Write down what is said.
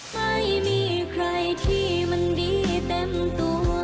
ไม่มีใครที่มันดีเต็มตัว